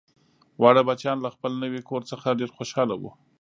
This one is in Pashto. واړه بچیان له خپل نوي کور څخه ډیر خوشحاله وو